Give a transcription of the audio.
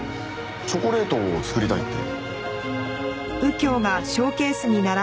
チョコレートを作りたいって。